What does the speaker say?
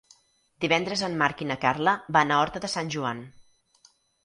Divendres en Marc i na Carla van a Horta de Sant Joan.